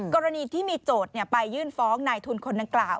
กรณีที่มีโจทย์ไปยื่นฟ้องนายทุนคนดังกล่าว